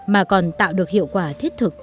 mà còn tạo được hiệu quả thiết thực